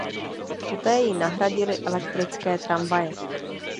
Poté ji nahradily elektrické tramvaje.